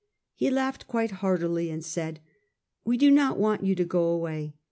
He laughed quite heartily, and said: " We do not want you to go away.